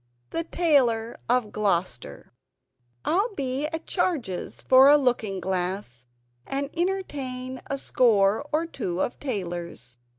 THE TAILOR OF GLOUCESTER "I'll be at charges for a looking glass; And entertain a score or two of tailors."